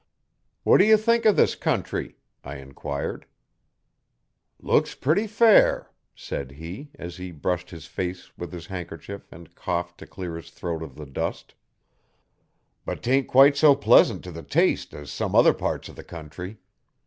'What do you think of this country?' I enquired. 'Looks purty fair,' said he, as he brushed his face with his handkerchief and coughed to clear his throat of the dust, 'but 'tain't quite so pleasant to the taste as some other parts o' the country.